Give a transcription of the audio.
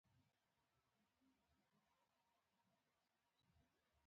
هغه بیا پوښتنه وکړه: ایا ته سګرېټ نه څکوې؟